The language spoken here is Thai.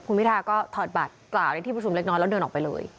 คุณพิทาก็ถอดบัตรกล่าวในที่ประชุมเล็กน้อยแล้วเดินออกไปเลย